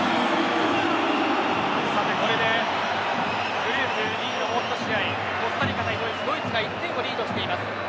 グループＥのもう１試合はコスタリカ対ドイツはドイツが１点をリードしています。